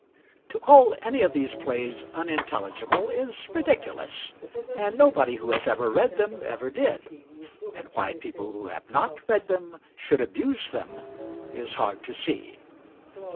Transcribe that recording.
To call any of these plays unintelligible is ridiculous; and nobody who has ever read them ever did, and why people who have not read them should abuse them is hard to see.